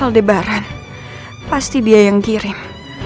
aldebaran pasti dia yang kirim